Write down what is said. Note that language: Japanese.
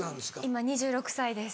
今２６歳です。